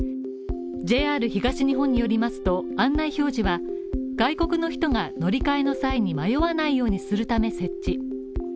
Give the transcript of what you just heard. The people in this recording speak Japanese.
ＪＲ東日本によりますと、案内表示は外国の人が乗り換えの際に迷わないようにするため設置。